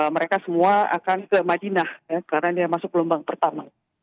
mereka semua akan ke madinah karena dia masuk gelombang pertama